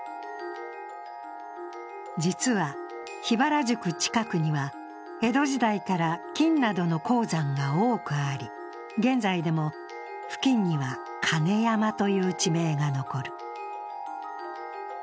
実は、桧原宿近くには江戸時代から金などの鉱山が多くあり、現在でも、付近には金山という地名が残る。